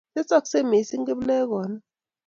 tesaksei mising kiplekonik